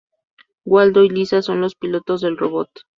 Waldo y Lisa son los pilotos del robot.